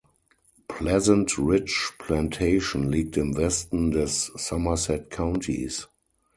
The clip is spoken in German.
Pleasant Ridge Plantation liegt im Westen des Somerset Countys.